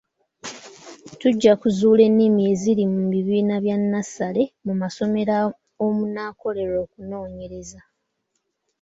Tujja kuzuula ennimi eziri mu bibiina bya nnassale mu masomero omunaakolerwa okunoonyereza.